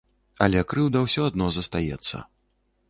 Але крыўда ўсё адно застаецца.